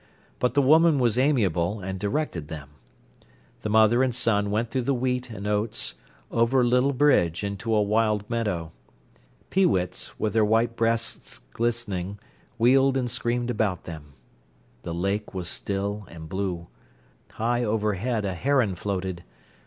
But the woman was amiable, and directed them. The mother and son went through the wheat and oats, over a little bridge into a wild meadow. Peewits, with their white breasts glistening, wheeled and screamed about them. The lake was still and blue. High overhead a heron floated.